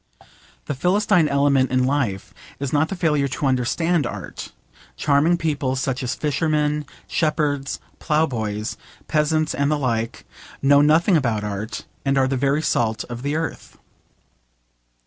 The Philistine element in life is not the failure to understand art. Charming people, such as fishermen, shepherds, ploughboys, peasants and the like, know nothing about art, and are the very salt of the earth.